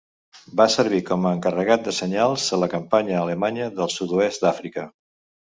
Va servir com a encarregat de senyals a la campanya alemanya del sud-oest d'Àfrica.